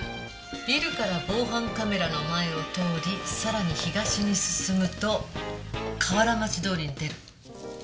ビルから防犯カメラの前を通りさらに東に進むと河原町通に出る。